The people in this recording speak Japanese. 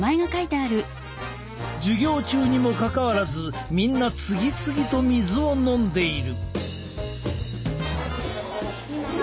授業中にもかかわらずみんな次々と水を飲んでいる。